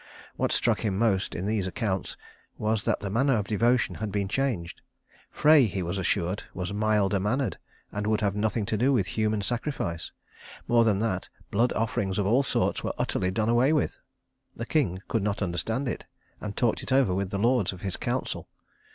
What struck him most in these accounts was that the manner of devotion had been changed. Frey, he was assured, was milder mannered, and would have nothing to do with human sacrifice. More than that, blood offerings of all sorts were utterly done away with. The king could not understand it, and talked it over with the lords of his council.